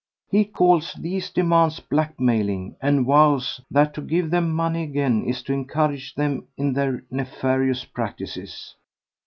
He calls these demands blackmailing, and vows that to give them money again is to encourage them in their nefarious practices.